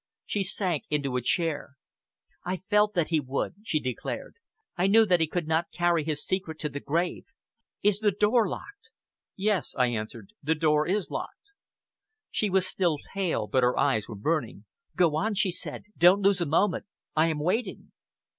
She sank into a chair. "I felt that he would," she declared. "I knew that he could not carry his secret to the grave. Is the door locked?" "Yes!" I answered. "The door is locked." She was still pale, but her eyes were burning. "Go on!" she said; "don't lose a moment. I am waiting."